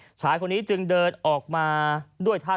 ผู้หญิงคนนี้ก็เข้าไปทำธุระในห้องน้ำหญิงพอดีครับ